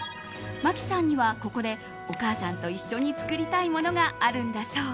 麻希さんにはここでお母さんと一緒に作りたいものがあるんだそう。